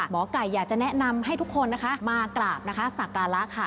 หมอไก่อยากจะแนะนำให้ทุกคนนะคะมากราบนะคะสักการะค่ะ